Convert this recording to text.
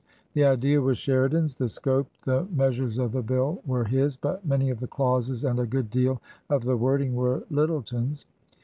The idea was Sheridan's, the scope, the measures of the Bill were his, but many of the clauses and a good deal of the wording were Lyttleton's.